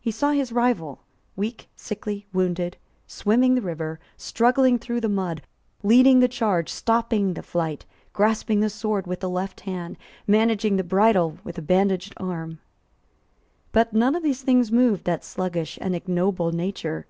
He saw his rival, weak, sickly, wounded, swimming the river, struggling through the mud, leading the charge, stopping the flight, grasping the sword with the left hand, managing the bridle with a bandaged arm. But none of these things moved that sluggish and ignoble nature.